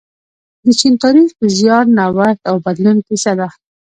د چین تاریخ د زیار، نوښت او بدلون کیسه ده.